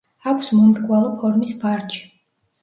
აქვს მომრგვალო ფორმის ვარჯი.